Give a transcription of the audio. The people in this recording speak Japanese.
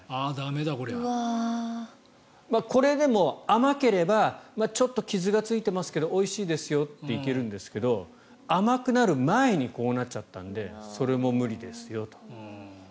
これでも甘ければちょっと傷がついていますけどおいしいですよっていけるんですけど甘くなる前にこうなっちゃったのでそれも無理ですよと。